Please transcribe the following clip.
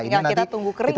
tinggal kita tunggu kering ya